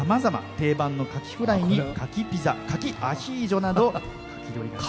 定番のカキフライにカキピザ、カキアヒージョなど。